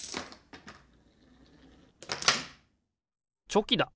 チョキだ！